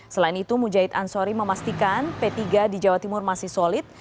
selain itu mujahid ansori memastikan p tiga di jawa timur masih solid